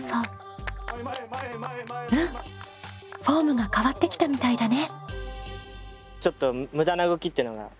うんフォームが変わってきたみたいだね。